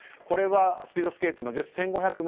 これはスピードスケートの女子１５００ｍ。